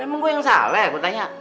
emang gue yang salah gue tanya